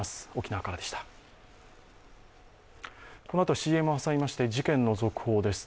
このあとＣＭを挟みまして事件の続報です。